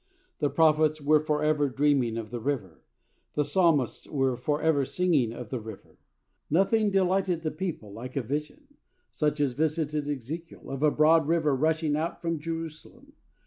The prophets were for ever dreaming of the river; the psalmists were for ever singing of the river. Nothing delighted the people like a vision, such as visited Ezekiel, of a broad river rushing out from Jerusalem.